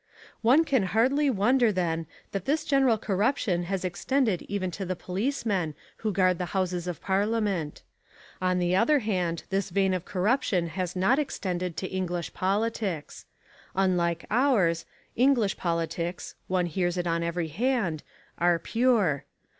One can hardly wonder then that this general corruption has extended even to the policemen who guard the Houses of Parliament. On the other hand this vein of corruption has not extended to English politics. Unlike ours, English politics, one hears it on every hand, are pure.